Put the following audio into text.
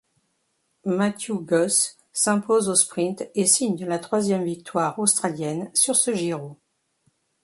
Matthew Goss s'impose au sprint et signe la troisième victoire australienne sur ce Giro.